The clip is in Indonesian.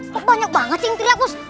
kok banyak banget sih yang teriak terus